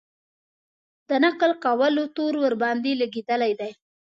د نقل کولو تور ورباندې لګېدلی دی.